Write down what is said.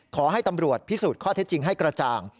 ขอให้ตำรวจพิสูจน์ข้อเท็จจริงให้กระจ่าง